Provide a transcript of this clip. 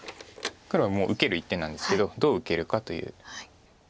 黒はもう受ける一手なんですけどどう受けるかという。